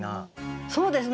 そうですね